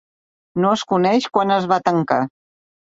No es coneix quan es va tancar.